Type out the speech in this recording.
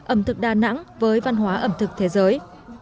ẩm thực đà nẵng với văn hóa ẩm thực thế giới